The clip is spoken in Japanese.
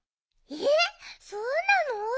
えっそうなの！？